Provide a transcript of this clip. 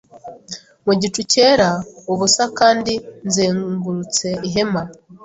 mu gicu cyera ubusa Kandi nzengurutse ihema